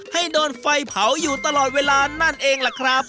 ให้โดนไฟเผาอยู่ตลอดเวลานั่นเองล่ะครับ